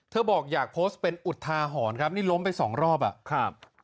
เธอบอกอยากโพสต์เป็นอุทาหอนครับนี่ล้มไปสองรอบอะ